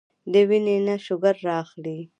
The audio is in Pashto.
د وينې نه شوګر را اخلي